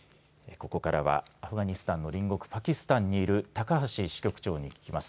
ここからはアフガニスタンの隣国パキスタンにいる高橋支局長に聞きます。